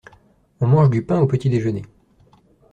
On mange du pain au petit-déjeuner.